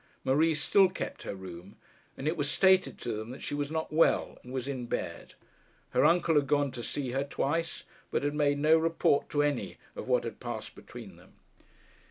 Marie still kept her room; and it was stated to them that she was not well and was in bed. Her uncle had gone to see her twice, but had made no report to any one of what had passed between them.